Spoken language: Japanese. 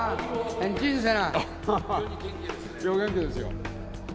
元気ですよ。